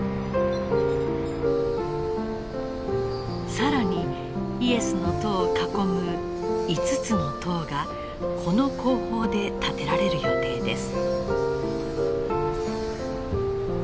更にイエスの塔を囲む５つの塔がこの工法で建てられる予定です。